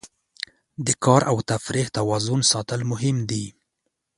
د کار او تفریح توازن ساتل مهم دي.